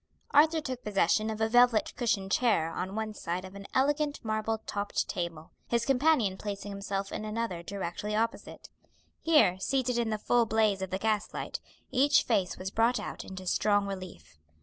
Arthur took possession of a velvet cushioned chair on one side of an elegant marble topped table, his companion placing himself in another directly opposite. Here, seated in the full blaze of the gas light, each face was brought out into strong relief.